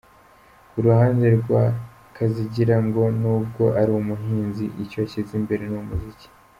Ku ruhande rwa Kazigira ngo nubwo ari umuhinzi icyo ashyize imbere ni umuziki.